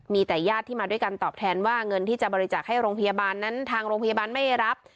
มีแต่ญาติที่มาด้วยกันตอบแทนว่าเงินที่จะบริจาคให้โรงพยาบาลนั้นทางโรงพยาบาลไม่รับ